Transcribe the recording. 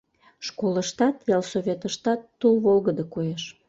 Школыштат, ялсоветыштат тул волгыдо коеш.